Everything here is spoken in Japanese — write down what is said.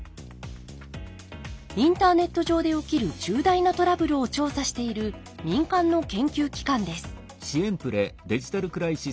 インターネット上で起きる重大なトラブルを調査している民間の研究機関です。